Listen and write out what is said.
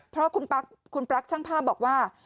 เพราะคุณปลั๊กคุณปลั๊กช่างภาพบอกว่า